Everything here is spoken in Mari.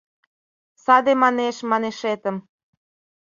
Саде манеш-манешетым.